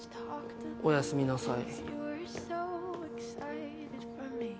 おやすみなさい。